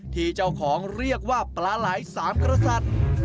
ที่เจ้าของเรียกว่าปลาไหล่สามกษัตริย์